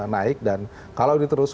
naik dan kalau ini terus